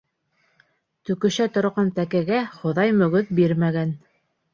Төкөшә торған тәкәгә Хоҙай мөгөҙ бирмәгән.